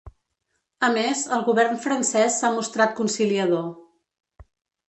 A més, el govern francès s’ha mostrat conciliador.